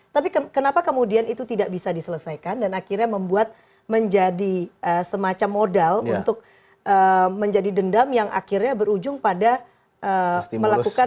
tapi kenapa kemudian itu tidak bisa diselesaikan dan akhirnya membuat menjadi semacam modal untuk menjadi dendam yang akhirnya berujung pada melakukan